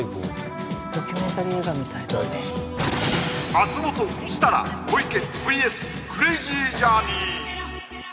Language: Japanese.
松本設楽小池ＶＳクレイジージャーニー